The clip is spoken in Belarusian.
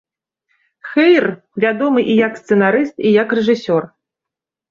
Хэйр, вядомы і як сцэнарыст, і як рэжысёр.